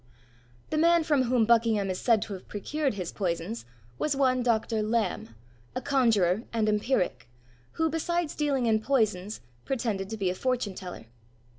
The man from whom Buckingham is said to have procured his poisons was one Dr. Lamb, a conjuror and empiric, who, besides dealing in poisons, pretended to be a fortune teller.